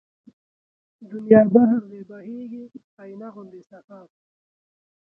دنيا بحر دی بهيږي آينه غوندې صفا